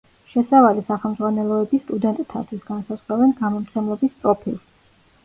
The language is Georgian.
შესავალი სახელმძღვანელოები სტუდენტთათვის განსაზღვრავენ გამომცემლობის პროფილს.